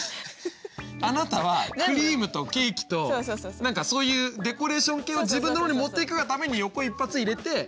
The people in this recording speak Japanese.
あなたはクリームとケーキと何かそういうデコレーション系は自分の方に持っていくがために横一発入れて。